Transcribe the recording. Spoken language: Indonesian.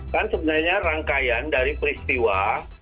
kan sebenarnya rangkaian dari peristiwa